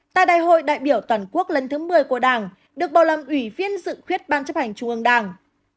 tại đại hội đại biểu toàn quốc lần thứ một mươi của đảng được bầu làm ủy viên dự khuyết ban chấp hành trung ương đảng